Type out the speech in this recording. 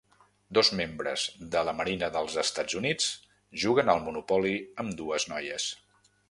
Dos membres de la Marina dels Estats Units juguen al monopoli amb dues noies.